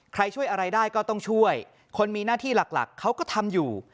ใครช่วยอะไรได้ก็ต้องช่วยคนมีหน้าที่หลักเขาก็ทำอยู่